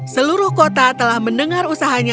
seluruh kota telah mendengar usahanya